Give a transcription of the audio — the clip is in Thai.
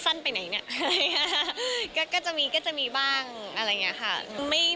สั้นไปไหนเนี่ยก็จะมีบ้างอะไรอย่างนี้ค่ะ